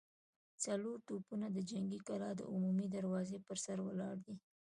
څلور توپونه د جنګي کلا د عمومي دروازې پر سر ولاړ دي.